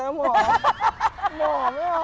หมอไม่เอาแล้ว